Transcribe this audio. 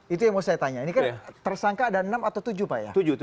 itu yang mau saya tanya ini kan tersangka ada enam atau tujuh pak ya